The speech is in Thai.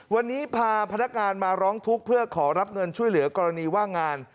วันนี้พาพนักงานมาร้องทุกข์เพื่อขอรับเงินช่วยเหลือกรณีว่างงาน